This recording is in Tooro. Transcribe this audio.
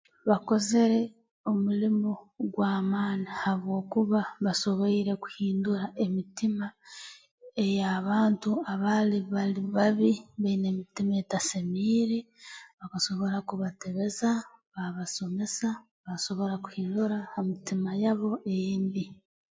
Bakozere omulimo gw'amaani habwokuba basoboire kuhindura emitima ey'abantu abaali bali babi baine emitima etasemiire bakasobora kubatebeza baabasomesa baasobora kuhindura ha mitima yabo embi